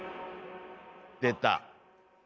出た。